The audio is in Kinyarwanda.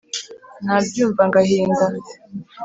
nabyumva ngahinda